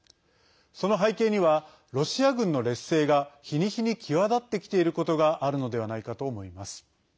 その背景にはロシア軍の劣勢が日に日に際立ってきていることがあるのではないかと思います。